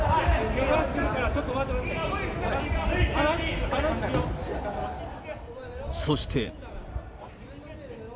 けがするからちょっと待て、そして。